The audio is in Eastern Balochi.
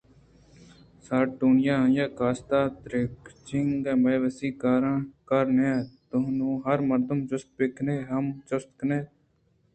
سارٹونی ءُآئی ءِقاصد ءِ درگیجگ مئے وسی کارے نہ اَت ءُنوں ہرمردم ءَ جست بہ کنئے آ ہم جست کن اَنت کہ کئی جست ءَ اِت